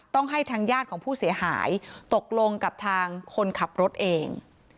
ต้องให้ทางญาติของผู้เสียหายตกลงกับทางคนขับรถเอง